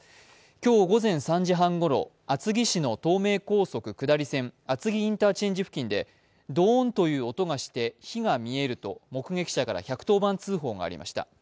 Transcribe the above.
今日午前３時半ごろ、厚木市の東名高速下り線、厚木インターチェンジ付近でどーんという音がして火が見えると、目撃者から１１０番通報がありました。